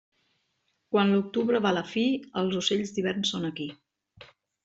Quan l'octubre va a la fi, els ocells d'hivern són aquí.